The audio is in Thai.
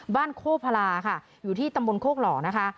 บ้านโค้ปฮาราค่ะอยู่ที่ตำบลโข้กหล่อนะคะ